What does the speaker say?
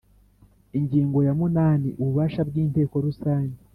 Ingingo ya munani Ububasha bw Inteko Rusange